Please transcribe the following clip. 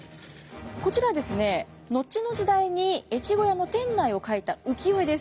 こちらですね後の時代に越後屋の店内を描いた浮世絵です。